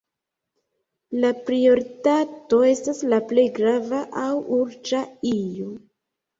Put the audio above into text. La prioritato estas la plej grava aŭ urĝa io.